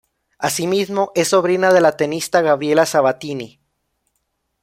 Asimismo, es sobrina de la tenista Gabriela Sabatini.